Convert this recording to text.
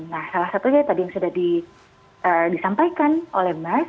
dan salah satunya tadi yang sudah disampaikan oleh mas